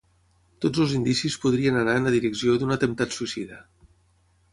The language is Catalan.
Tots els indicis podrien anar en la direcció d'un atemptat suïcida.